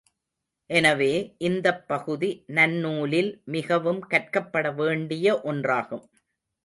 எனவே, இந்தப் பகுதி நன்னூலில் மிகவும் கற்கப்பட வேண்டிய ஒன்றாகும்.